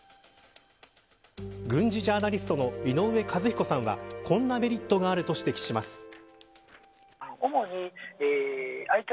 軍事ジャーナリストの井上和彦さんはこんなメリットがあると指摘します。